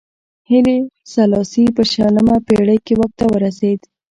هیلي سلاسي په شلمه پېړۍ کې واک ته ورسېد.